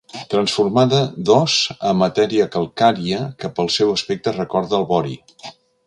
Transformada d'os a matèria calcària que pel seu aspecte recorda el vori.